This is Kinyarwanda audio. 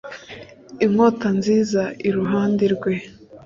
Inkota nziza iruhande rwe